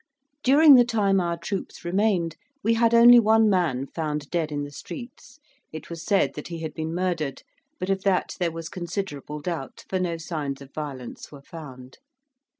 During the time our troops remained, we had only one man found dead in the streets: it was said that he had been murdered; but of that there was considerable doubt, for no signs of violence were found.